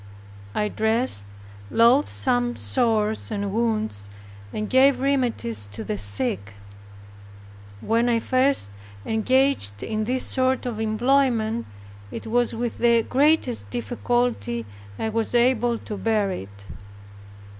I dressed loathsome sores and wounds, and gave remedies to the sick. When I first engaged in this sort of employment, it was with the greatest difficulty I was able to bear it.